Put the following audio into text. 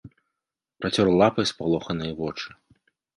Працёр лапай спалоханыя вочы.